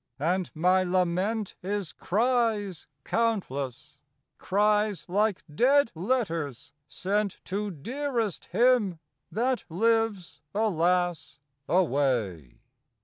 And my lament Is cries countless, cries like dead letters sent To dearest him that lives alas ! away.